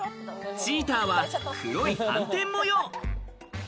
チーターは黒い斑点模様。